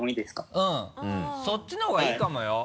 うんそっちの方がいいかもよ？